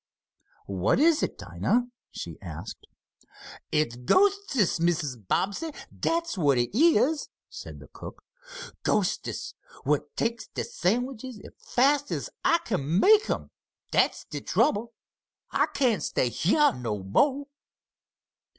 "What is it, Dinah?" she asked. "It's ghostests, Mrs. Bobbsey dat's what it is," said the cook. "Ghostests what takes de sandwiches as fast as I make 'em dat's de trouble. I can't stay heah no mo'!"